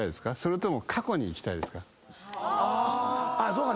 そうか。